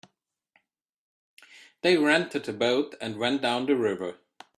They rented a boat and went down the river.